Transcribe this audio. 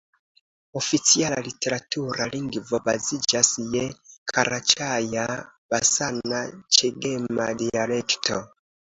Oficiala literatura lingvo baziĝas je karaĉaja-basana-ĉegema dialekto.